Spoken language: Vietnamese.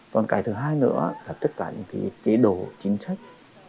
còn cái thứ hai nữa là tất cả những cái chế độ chính sách